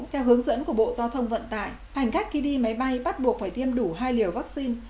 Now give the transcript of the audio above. theo hướng dẫn của bộ giao thông vận tải hành khách khi đi máy bay bắt buộc phải tiêm đủ hai liều vaccine